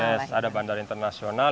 dan ada bandara internasional